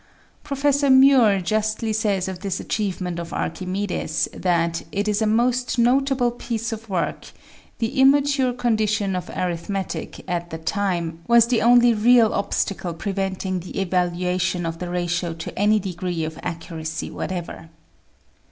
Professor Muir justly says of this achievement of Archimedes, that it is " a most notable piece of work ; the SQUARING THE CIRCLE 15 immature condition of arithmetic, at the time, was the only real obstacle preventing the evaluation of the ratio to any degree of accuracy whatever."